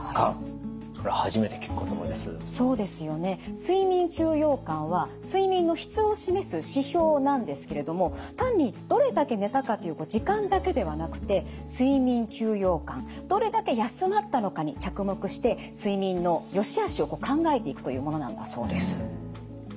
睡眠休養感は睡眠の質を示す指標なんですけれども単にどれだけ寝たかという時間だけではなくて睡眠休養感どれだけ休まったのかに着目して睡眠のよしあしを考えていくというものなんだそうです。